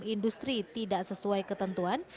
industri tidak sesuai ketentuan